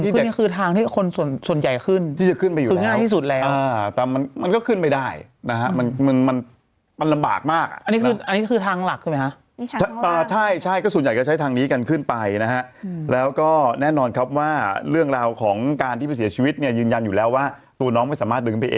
เพราะฉะนั้นเนี่ยคือทางที่หนุ่มขึ้นคือทางที่คนส่วนใหญ่ขึ้น